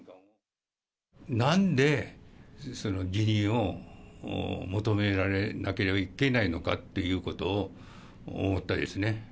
なんで辞任を求められなければいけないのかということを思ったですね。